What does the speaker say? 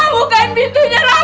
bukain pintunya rama